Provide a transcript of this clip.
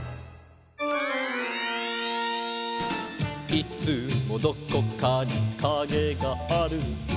「いつもどこかにカゲがある」